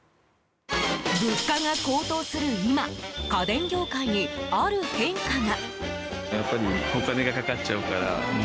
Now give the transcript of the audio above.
物価が高騰する今家電業界にある変化が。